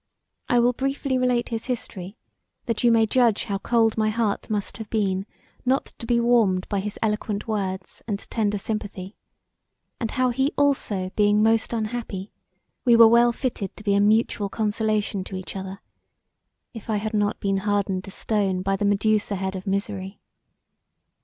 I will briefly relate his history that you may judge how cold my heart must have been not to be warmed by his eloquent words and tender sympathy; and how he also being most unhappy we were well fitted to be a mutual consolation to each other, if I had not been hardened to stone by the Medusa head of Misery.